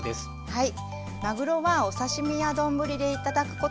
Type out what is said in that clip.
はい。